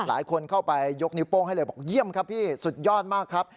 หลายคนเข้าไปยกนิ้วโป้งให้เลยบอกเยี่ยมครับพี่สุดยอดมากครับ